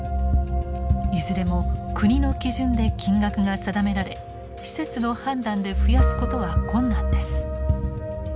いずれも国の基準で金額が定められ施設の判断で増やすことは困難です。